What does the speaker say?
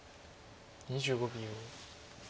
２５秒。